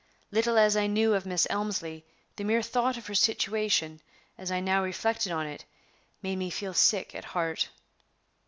Little as I knew of Miss Elmslie, the mere thought of her situation, as I now reflected on it, made me feel sick at heart.